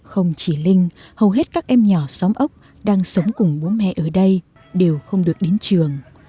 không chỉ linh hầu hết các em nhỏ xóm ốc đang sống cùng bố mẹ ở đây đều không được đến trường